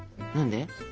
何で？